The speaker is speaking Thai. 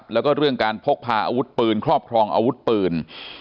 แล้วก็เรื่องการพกพาอาวุธปืนครอบครองอาวุธปืน